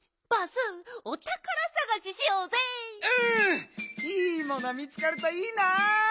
いいもの見つかるといいなあ！